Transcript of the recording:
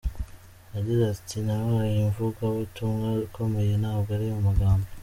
Yagize ati, “Nabaye umuvugabutumwa ukomeye ntabwo ari amagambo .